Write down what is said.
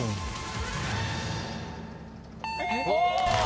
お！